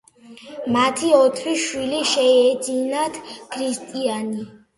მათი ოთხი შვილი შეეძინათ: ქრისტიანი.